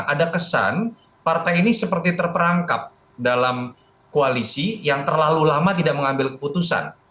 ada kesan partai ini seperti terperangkap dalam koalisi yang terlalu lama tidak mengambil keputusan